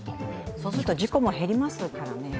そうすると事故も減りますからね。